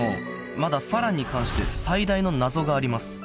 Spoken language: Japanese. まだ花郎に関して最大の謎があります